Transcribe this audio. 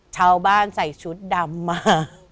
ชาวบ้านใส่ชุดดำมา